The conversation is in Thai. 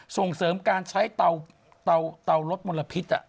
ส่งเสริมการใช้เตาลดมลพิษ